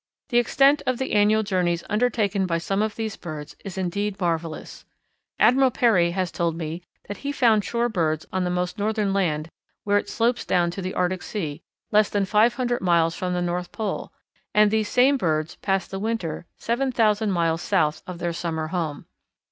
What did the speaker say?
The extent of the annual journeys undertaken by some of these birds is indeed marvellous. Admiral Peary has told me that he found shore birds on the most northern land, where it slopes down into the Arctic Sea, less than five hundred miles from the North Pole; and these same birds pass the winter seven thousand miles south of their summer home.